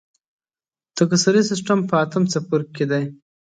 تکثري سیستم په اتم څپرکي کې دی.